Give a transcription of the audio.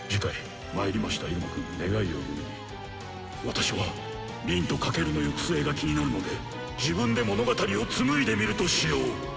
私は凛と翔の行く末が気になるので自分で物語を紡いでみるとしよう。